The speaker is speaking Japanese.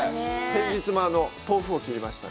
先日も豆腐を切りました。